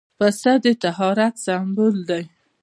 پسه د طهارت سمبول دی.